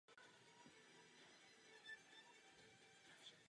Jsou rozděleni podle diecézí.